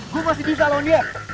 gua masih bisa lawan dia